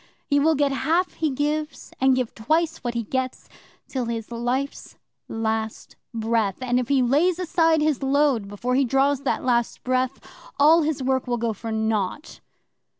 He will get half he gives, and give twice what he gets, till his life's last breath; and if he lays aside his load before he draws that last breath, all his work will go for naught."